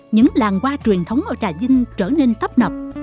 những làng hoa truyền thống ở trà vinh trở nên tấp nập